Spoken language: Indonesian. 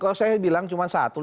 kalau saya bilang cuma satu